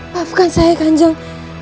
maafkan saya kanjeng